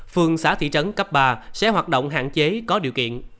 phường xã thị trấn cấp ba sẽ hoạt động hạn chế có điều kiện